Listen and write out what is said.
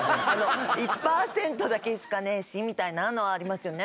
１％だけしかねえしみたいなのはありますよね。